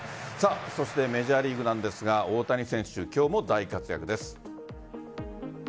そしてメジャーリーグなんですが大谷選手、今日も大活躍です。